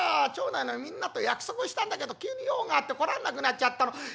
町内のみんなと約束したんだけど急に用があって来られなくなっちゃったの。